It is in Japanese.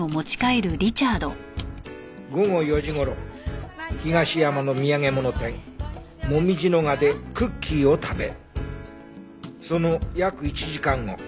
午後４時頃東山の土産物店紅葉賀でクッキーを食べその約１時間後